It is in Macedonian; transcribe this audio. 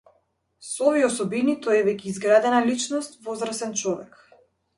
Со овие особини, тој е веќе изградена личност, возрасен човек.